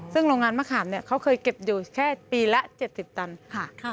ซึ่งโรงงานมะขามเนี่ยเขาเคยเก็บอยู่แค่ปีละ๗๐ตันค่ะ